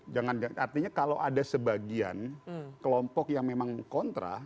jangan artinya kalau ada sebagian kelompok yang memang kontra